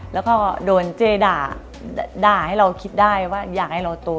แล้วก็โดนเจ๊ด่าให้เราคิดได้ว่าอยากให้เราโต